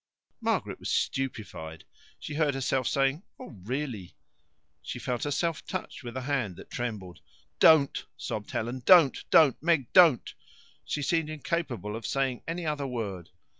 Margaret was stupefied. She heard herself saying, "Oh, really " She felt herself touched with a hand that trembled. "Don't," sobbed Helen, "don't, don't, Meg, don't!" She seemed incapable of saying any other word.